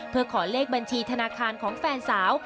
เพื่อขอเลขบัญชีธนาคารของแฟนสาว